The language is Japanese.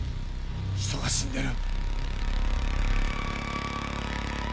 人が死んでる。